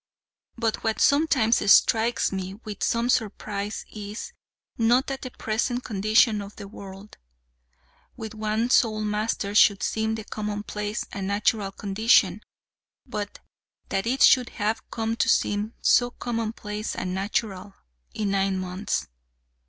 But what sometimes strikes me with some surprise is, not that the present condition of the world, with one sole master, should seem the common place and natural condition, but that it should have come to seem so common place and natural in nine months.